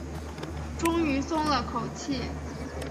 终于松了口气